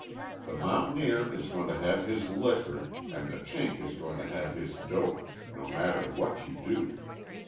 The mountaineer is going to have his "licker" and the Chink is going to have his dope no matter what you do.